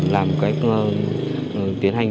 làm cách tiến hành